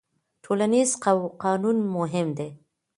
ټولنيز قانون مهم دی.